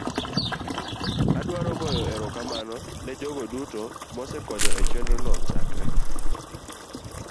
adwaro goyo erokamano ne jogo duto mosekonyo e chenrono chakre